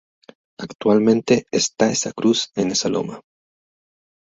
Actualmente esta esa cruz en esa loma.